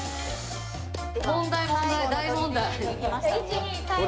問題問題大問題。